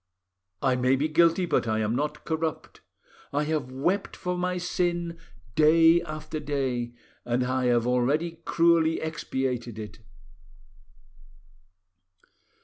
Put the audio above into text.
I may be guilty, but I am not corrupt. I have wept for my sin day after day, and I have already cruelly expiated it.